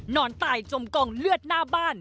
นอนตายจมกองเลือดหน้าบ้าน